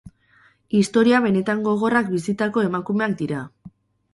Historia benetan gogorrak bizitako emakumeak dira.